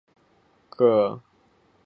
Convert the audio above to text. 老挝杜英为杜英科杜英属下的一个种。